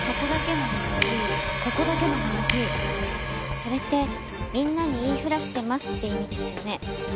それってみんなに言いふらしてますって意味ですよね。